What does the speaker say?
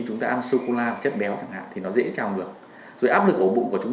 thưa bác sĩ đối với bệnh trào ngược dạ dày thực quản